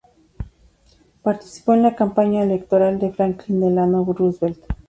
Participó en la campaña electoral de Franklin Delano Roosevelt.